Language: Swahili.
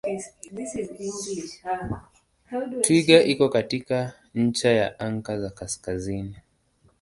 Twiga iko karibu na ncha ya anga ya kaskazini.